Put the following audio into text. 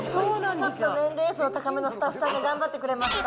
ちょっと年齢層高めのスタッフさんが頑張ってくれました。